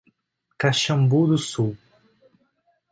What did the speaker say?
Caxambu do Sul